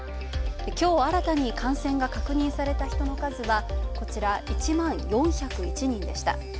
きょう新たに感染が確認された人の数は、１万４０１人でした。